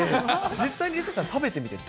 実際に梨紗ちゃん、食べてみ